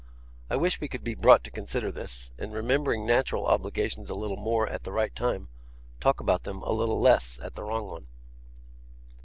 I wish we could be brought to consider this, and remembering natural obligations a little more at the right time, talk about them a little less at the wrong one.